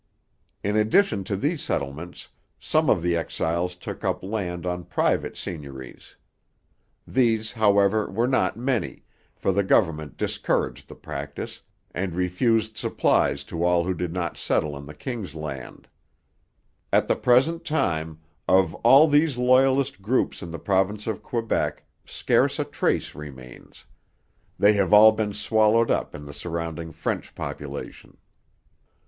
In addition to these settlements, some of the exiles took up land on private seigneuries; these, however, were not many, for the government discouraged the practice, and refused supplies to all who did not settle on the king's land. At the present time, of all these Loyalist groups in the province of Quebec scarce a trace remains: they have all been swallowed up in the surrounding French population.